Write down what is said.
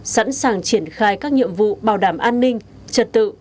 sẵn sàng triển khai các nhiệm vụ bảo đảm an ninh trật tự